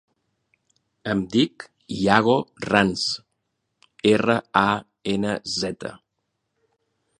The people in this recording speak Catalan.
Em dic Yago Ranz: erra, a, ena, zeta.